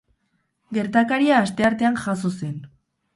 Gertakaria asteartean jazo zen.